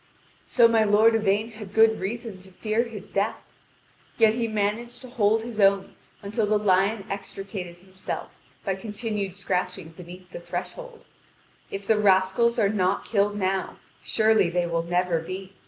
So my lord Yvain had good reason to fear his death, yet he managed to hold his own until the lion extricated himself by continued scratching beneath the threshold. If the rascals are not killed now, surely they will never be.